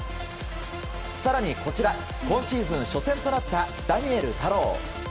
更に今シーズン初戦となったダニエル太郎。